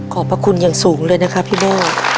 ขอบคุณอย่างสูงเลยนะคะพี่โบ้